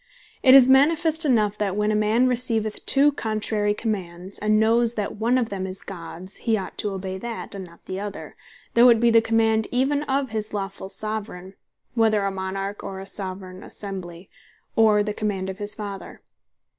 It is manifest enough, that when a man receiveth two contrary Commands, and knows that one of them is Gods, he ought to obey that, and not the other, though it be the command even of his lawfull Soveraign (whether a Monarch, or a Soveraign Assembly,) or the command of his Father.